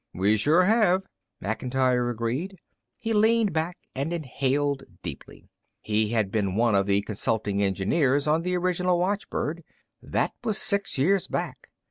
"We sure have," Macintyre agreed. He leaned back and inhaled deeply. He had been one of the consulting engineers on the original watchbird. That was six years back.